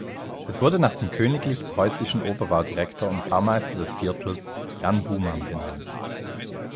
Es wurde nach dem königlich-preußischen Oberbaudirektor und Baumeister des Viertels, Jan Bouman benannt.